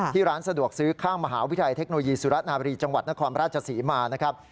ร้านสะดวกซื้อข้างมหาวิทยาลัยเทคโนโลยีสุรนาบรีจังหวัดนครราชศรีมานะครับ